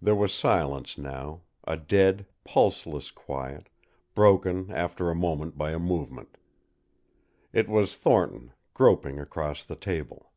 There was silence now, a dead, pulseless quiet, broken after a moment by a movement. It was Thornton, groping across the table.